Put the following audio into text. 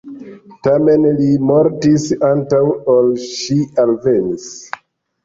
Tamen, li mortis antaŭ ol ŝi alvenis.